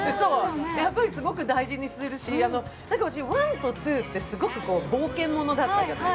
やっぱりすごく大事にするし１と２ってすごく冒険ものだったじゃない。